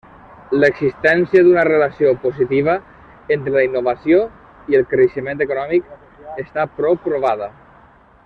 L'existència d'una relació positiva entre la innovació i el creixement econòmic està prou provada.